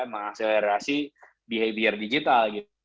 mengakselerasi behavior digital